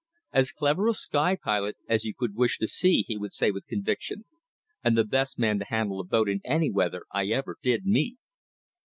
"As clever a sky pilot as you could wish to see," he would say with conviction, "and the best man to handle a boat in any weather I ever did meet!"